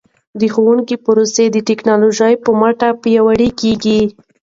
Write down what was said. د ښوونې پروسه د ټکنالوژۍ په مټ پیاوړې کیږي.